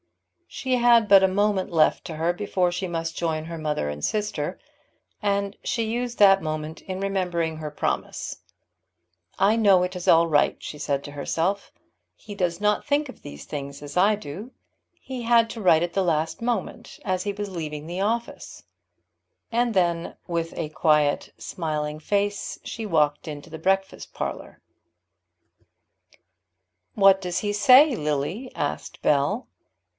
She had but a moment left to her before she must join her mother and sister, and she used that moment in remembering her promise. "I know it is all right," she said to herself. "He does not think of these things as I do. He had to write at the last moment, as he was leaving his office." And then with a quiet, smiling face, she walked into the breakfast parlour. "What does he say, Lily?" asked Bell.